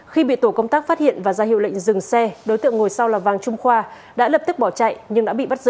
khi bị tổ công tác phát hiện và ra hiệu lệnh dừng xe đối tượng ngồi sau là vàng trung khoa đã lập tức bỏ chạy nhưng đã bị bắt giữ